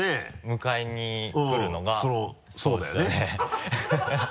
迎えに来るのがそうですね